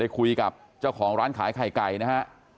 คุยกับเจ้าของร้านขายไข่ไก่นะฮะ